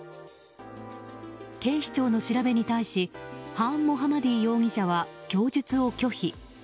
警視庁の調べに対しハーン・モハマディ容疑者は供述を拒否。